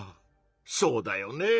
そうだよね。